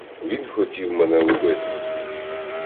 Він хотів мене убити.